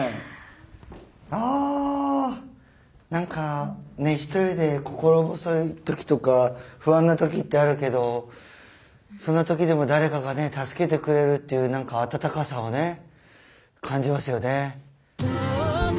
あ何かね一人で心細い時とか不安な時ってあるけどそんな時でも誰かがね助けてくれるっていう何か温かさをね感じましたよね。